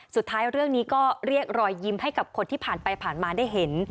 สุดท้ายเรื่องนี้ก็เรียกรอยยิ้มให้กับคนที่ผ่านไปผ่านมาได้เห็น